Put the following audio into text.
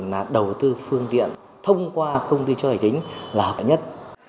là đầu tư phương tiện thông qua công ty cho tài chính là hợp nhất